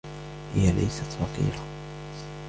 هي ليست فقيرة.